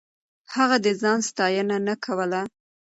هغه د ځان ستاينه نه کوله.